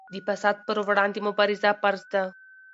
د فساد پر وړاندې مبارزه فرض ده.